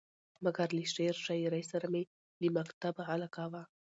مګر له شعر شاعرۍ سره مې له مکتبه علاقه وه.